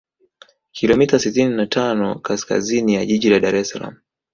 kilomita sitini na tano kaskazini ya jiji la Dar es Salaam